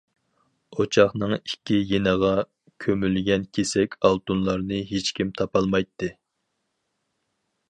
ئوچاقنىڭ ئىككى يېنىغا كۆمۈلگەن كېسەك ئالتۇنلارنى ھېچكىم تاپالمايتتى.